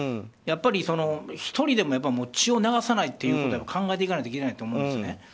やっぱり、１人でも血を流さないということを考えていかないといけないと思うんですね。